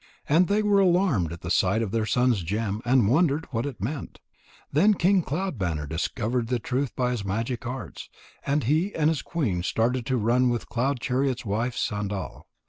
And they were alarmed at the sight of their son's gem and wondered what it meant. Then King Cloud banner discovered the truth by his magic arts, and he and his queen started to run with Cloud chariot's wife Sandal.